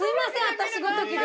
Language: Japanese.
私ごときで。